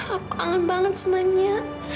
aku angin banget semangatnya